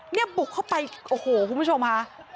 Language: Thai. บุกเข้าไปโอ้โหคุณผู้ชมค่ะ